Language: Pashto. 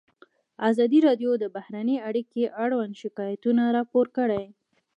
ازادي راډیو د بهرنۍ اړیکې اړوند شکایتونه راپور کړي.